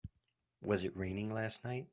Was it raining last night?